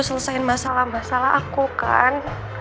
selesaiin masalah masalah aku kan